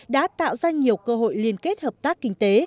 đã tạo ra nhiều cơ hội liên kết hợp tác kinh tế